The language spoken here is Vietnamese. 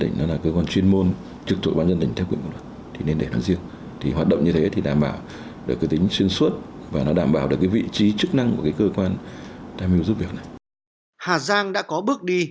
hà giang đã có bước đi